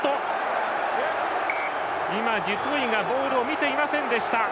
今、デュトイがボールを見ていませんでした。